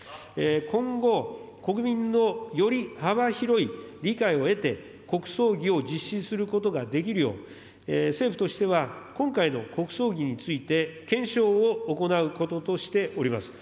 今後、国民のより幅広い理解を得て、国葬儀を実施することができるよう、政府としては今回の国葬儀について検証を行うこととしております。